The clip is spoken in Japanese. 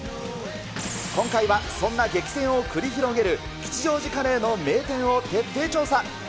今回は、そんな激戦を繰り広げる吉祥寺カレーの名店を徹底調査。